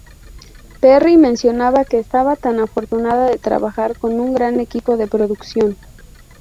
Perry mencionaba que estaba tan afortunada de trabajar con un gran equipo de producción.